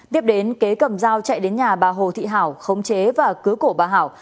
tiếp đến kế cầm dao chạy đến nhà bà hồ thị hảo khống chế và cứu cổ bà hảo